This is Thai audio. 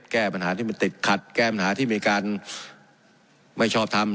แก้ปัญหาที่มันติดขัดแก้ปัญหาที่มีการไม่ชอบทำ